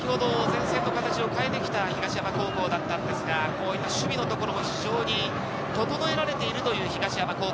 前線の形を変えてきた東山高校だったんですが、守備がところが非常に整えられているという東山高校。